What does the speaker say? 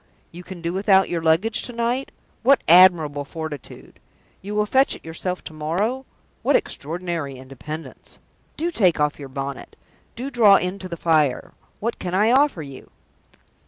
You can do without your luggage to night? What admirable fortitude! You will fetch it yourself to morrow? What extraordinary independence! Do take off your bonnet. Do draw in to the fire! What can I offer you?"